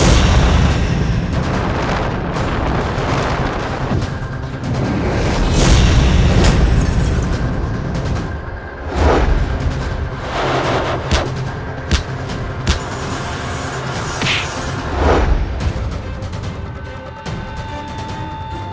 anda pun mengganggu aku